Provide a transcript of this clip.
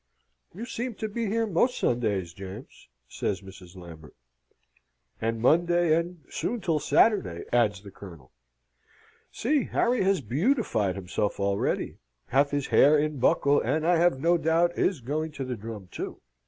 "You seem to be here most Sundays, James," says Mrs. Lambert. "And Monday, and soon till Saturday," adds the Colonel. "See, Harry has beautified himself already, hath his hair in buckle, and I have no doubt is going to the drum too."